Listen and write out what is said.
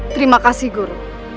terima kasih guru